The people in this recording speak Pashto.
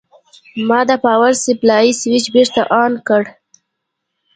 ما د پاور سپلای سویچ بېرته آن کړ.